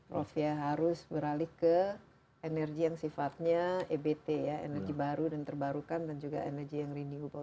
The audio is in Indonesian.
prof ya harus beralih ke energi yang sifatnya ebt ya energi baru dan terbarukan dan juga energi yang renewable